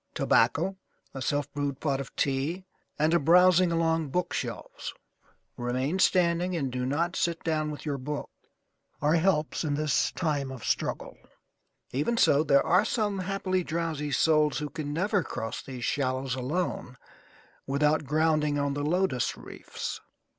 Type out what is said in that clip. Tobacco, a self brewed pot of tea, and a browsing along bookshelves (remain standing and do not sit down with your book) are helps in this time of struggle. Even so, there are some happily drowsy souls who can never cross these shallows alone without grounding on the Lotus Reefs.